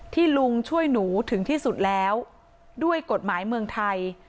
ลุงช่วยหนูถึงที่สุดแล้วด้วยกฎหมายเมืองไทย